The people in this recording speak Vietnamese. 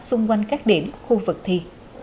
xung quanh các điểm khu vực thi